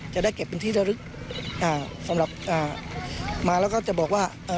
จะได้เก็บเป็นที่ระลึกอ่าสำหรับอ่ามาแล้วก็จะบอกว่าเอ่อ